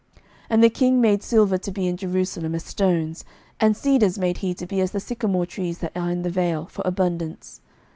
11:010:027 And the king made silver to be in Jerusalem as stones, and cedars made he to be as the sycomore trees that are in the vale, for abundance.